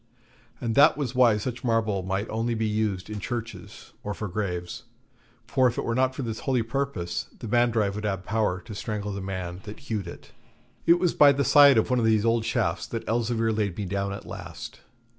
And that was why such marble might only be used in churches or for graves, for if it were not for this holy purpose, the Mandrive would have power to strangle the man that hewed it. It was by the side of one of these old shafts that Elzevir laid me down at last.